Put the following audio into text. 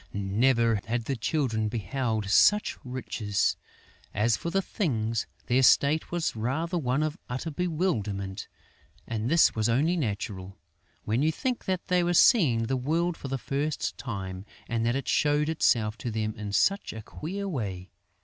Never had the Children beheld such riches! As for the Things, their state was rather one of utter bewilderment; and this was only natural, when you think that they were seeing the world for the first time and that it showed itself to them in such a queer way.